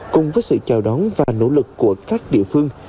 cùng với sự chào đón và nỗ lực của các địa phương